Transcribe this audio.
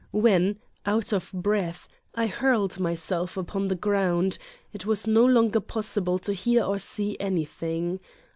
When, out of breath, I hurled myself upon the ground, it was no longer possible to hear or see anything.